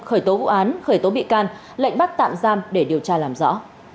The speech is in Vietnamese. khởi tố vụ án khởi tố bị can lệnh bắt tạm giam để điều tra làm rõ